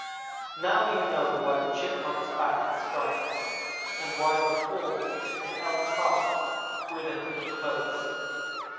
"Now you know why the Chipmunk's back is striped, and why the fawn and elk calf wear their pretty clothes.